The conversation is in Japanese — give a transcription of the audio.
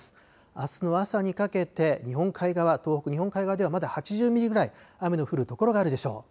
あすの朝にかけて日本海側、東北日本海側ではまだ８０ミリぐらい雨の降る所があるでしょう。